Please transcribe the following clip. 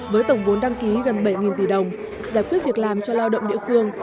với tổng vốn đăng ký gần bảy tỷ đồng giải quyết việc làm cho lao động địa phương